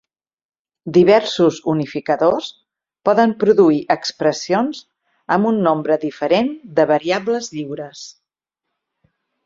Diversos unificadors poden produir expressions amb un nombre diferent de variables lliures.